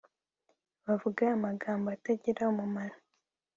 bavuga amagambo atagira umumaro